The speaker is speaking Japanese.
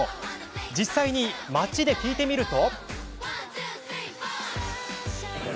実際に街で聞いてみると。